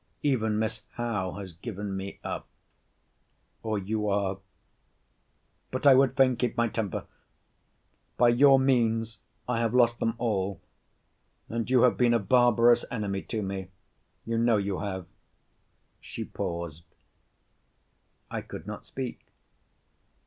Even Miss Howe has given me up—or you are—But I would fain keep my temper!—By your means I have lost them all—and you have been a barbarous enemy to me. You know you have. She paused. I could not speak.